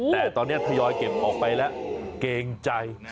แต่ตอนนี้ทยอยเก็บออกไปแล้วเกรงใจ